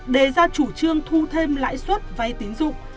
đề ra chủ trương thu thêm lãi suất vay tín dụng